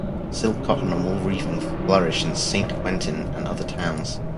Silk, cotton, and wool weaving flourish in Saint-Quentin and other towns.